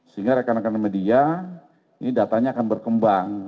sehingga rekan rekan media ini datanya akan berkembang